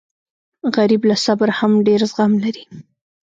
غریب له صبره هم ډېر زغم لري